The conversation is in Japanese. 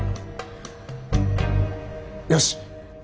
よし！